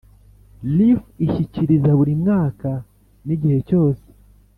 Reaf ishyikiriza buri mwaka n igihe cyose